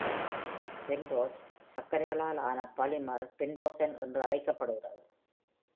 Pentose சர்க்கரைகளால் ஆன polymer, பென்டோசன் என்று அழைக்கப்படுகிறது.